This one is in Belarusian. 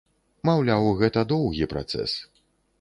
Маўляў, гэта доўгі працэс.